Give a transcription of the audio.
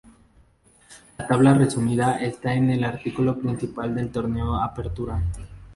La tabla resumida está en el artículo principal del Torneo Apertura.